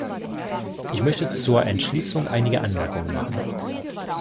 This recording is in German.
Ich möchte zur Entschließung einige Anmerkungen machen.